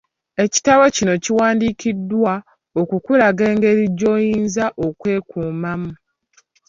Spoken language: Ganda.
Ekitabo kino kiwandiikiddwa okukulaga engeri gy'oyinza okwekuumamu.